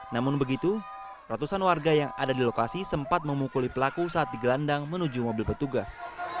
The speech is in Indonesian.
namun begitu ratusan warga yang ada di lokasi sempat memukuli pelaku saat digelandang menuju mobil petugas